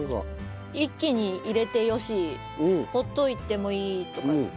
一気に入れてよしほっといてもいいとか。